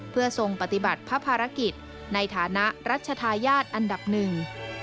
เพื่อทรงปฏิบัติภารกิจในฐานะรัชธาญาติอันดับหนึ่ง